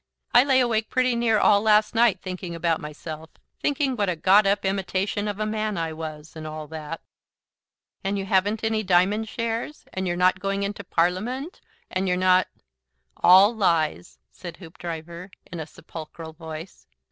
I lay awake pretty near all last night thinking about myself; thinking what a got up imitation of a man I was, and all that." "And you haven't any diamond shares, and you are not going into Parliament, and you're not " "All Lies," said Hoopdriver, in a sepulchral voice.